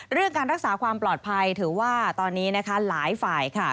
เรื่องการรักษาความปลอดภัยถือว่าตอนนี้นะคะหลายฝ่ายค่ะ